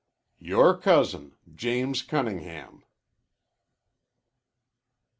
"Yore cousin James Cunningham."